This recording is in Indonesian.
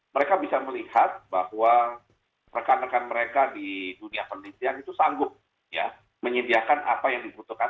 mereka bisa melihat bahwa rekan rekan mereka di dunia penelitian itu sanggup menyediakan apa yang dibutuhkan